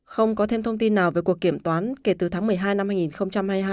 không có thêm thông tin nào về cuộc kiểm toán kể từ tháng một mươi hai năm hai nghìn hai mươi hai